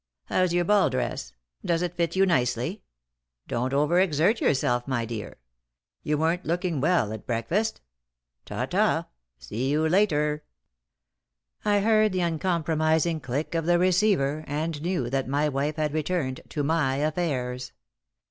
How's your ball dress? Does it fit you nicely? Don't over exert yourself, my dear. You weren't looking well at breakfast. Ta ta! See you later." I heard the uncompromising click of the receiver, and knew that my wife had returned to my affairs.